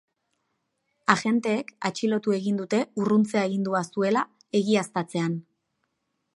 Agenteek atxilotu egin dute urruntze-agindua zuela egiaztatzean.